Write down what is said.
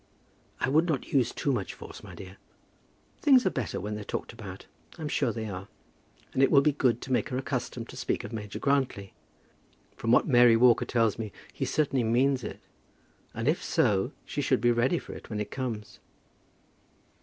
"I would not use too much force, my dear." "Things are better when they're talked about. I'm sure they are. And it will be good to make her accustomed to speak of Major Grantly. From what Mary Walker tells me, he certainly means it. And if so, she should be ready for it when it comes."